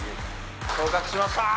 昇格しました！